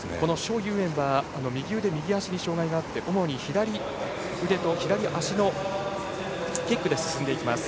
蒋裕燕は右腕、右足に障がいがあって主に左腕と左足のキックで進みます。